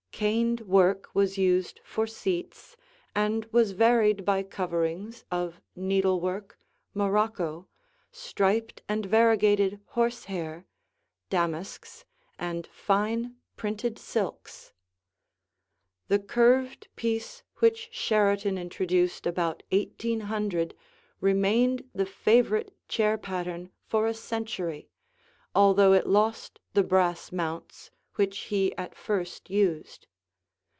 Caned work was used for seats and was varied by coverings of needlework, morocco, striped and variegated horsehair, damasks, and fine printed silks. The curved piece which Sheraton introduced about 1800 remained the favorite chair pattern for a century, although it lost the brass mounts which he at first used.